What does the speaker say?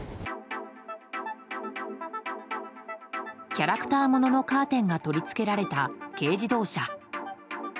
キャラクターもののカーテンが取り付けられた軽自動車。